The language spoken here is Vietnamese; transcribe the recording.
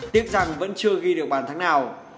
tiếc rằng vẫn chưa ghi được bàn thắng nào